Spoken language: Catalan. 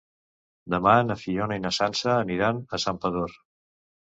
Demà na Fiona i na Sança aniran a Santpedor.